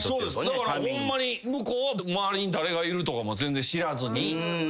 だからホンマに向こうは周りに誰がいるとかも全然知らずに。